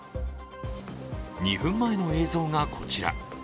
２分前の映像がこちら。